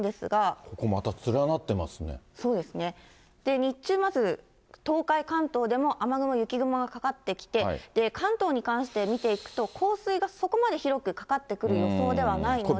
日中まず、東海、関東でも雨雲、雪雲がかかってきて、関東に関して見ていくと、降水がそこまで広くかかってくる予想ではないので。